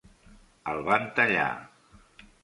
El van tallar.